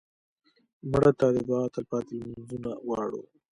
مړه ته د دعا تلپاتې لمونځونه غواړو